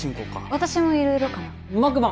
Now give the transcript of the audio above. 私も色々かな僕も！